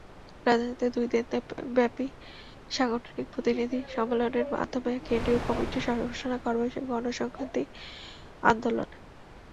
রাজধানীতে দুই দিনব্যাপী সাংগঠনিক প্রতিনিধি সম্মেলনের মাধ্যমে কেন্দ্রীয় কমিটির ঘোষণা করবে গণসংহতি আন্দোলন।